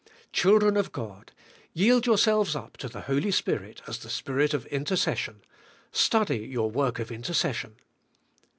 Children of God! yield yourselves up to the Holy Spirit as the Spirit of intercession; study your work of intercession.